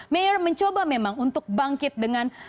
mayor mencoba memang untuk bangkit dengan